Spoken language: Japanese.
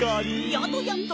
やどやど！